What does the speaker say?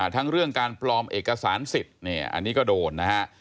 ทั้งเรื่องการปลอมเอกสารสิทธิ์เนี่ยอันนี้ก็โดนนะฮะ